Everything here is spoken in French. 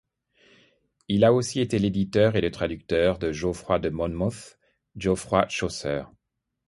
Il a aussi été l'éditeur et le traducteur de Geoffroy de Monmouth, Geoffroy Chaucer.